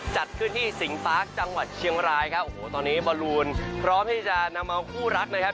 จัดขึ้นที่สิงฟ้าจังหวัดเชียงรายครับโอ้โหตอนนี้บอลลูนพร้อมที่จะนำเอาคู่รักนะครับ